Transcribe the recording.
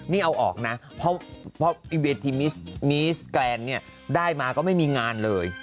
นี่เอาออกนะเพราะเวทีมีสแกรนเนี่ยได้มาก็ไม่มีงานเลย